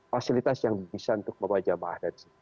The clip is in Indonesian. fasilitas yang bisa untuk membajak mahadat